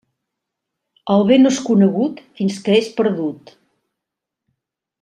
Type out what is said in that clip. El bé no és conegut fins que és perdut.